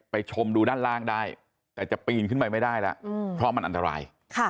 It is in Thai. ชมดูด้านล่างได้แต่จะปีนขึ้นไปไม่ได้แล้วเพราะมันอันตราย